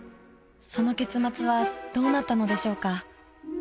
その結末はどうなったのでしょうか？